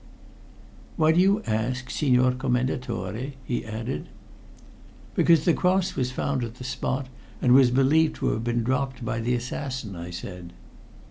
"Why do you ask, Signor Commendatore?" he added. "Because the cross was found at the spot, and was believed to have been dropped by the assassin," I said.